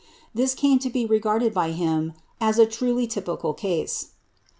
This came to be regarded by him as "a truly typical case."